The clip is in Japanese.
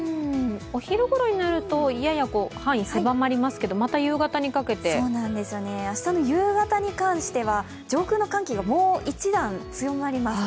お昼ごろになりますとやや範囲が狭まりますけど明日の夕方に関しては上空の寒気がもう一段強まります